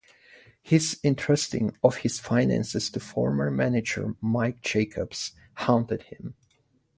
His entrusting of his finances to former manager Mike Jacobs haunted him.